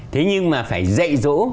thế nhưng mà phải dạy dỗ